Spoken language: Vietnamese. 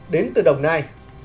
đến từ đồng nai